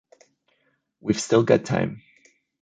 We’ve still got time.